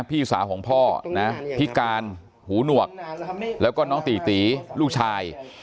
พี่สาวของพ่อนะพิการหูหนวกแล้วก็น้องตีตีลูกชาย